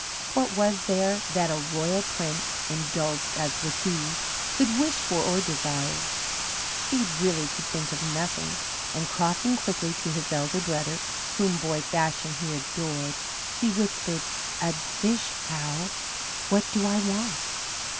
What was there that a royal prince, indulged as was he, could wish for or desire? He really could think of nothing, and crossing quickly to his elder brother, whom, boy fashion, he adored, he whispered, "Ud's fish, Hal, what DO I want?"